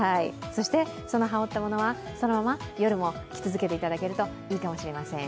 そして、その羽織ったものはそのまま夜も着続けていただけるといいかもしれません。